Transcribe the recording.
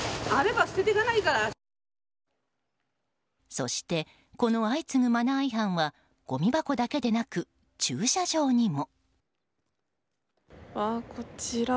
そしてこの相次ぐマナー違反はごみ箱だけでなく、駐車場にも。